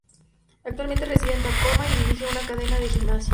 Actualmente reside en Tacoma y dirige una cadena de gimnasios.